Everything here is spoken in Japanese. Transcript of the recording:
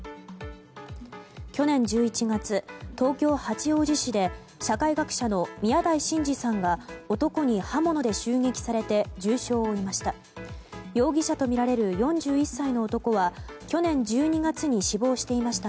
去年１１月東京・八王子市で社会学者の宮台真司さんが男に刃物で襲撃されて重傷を負いました。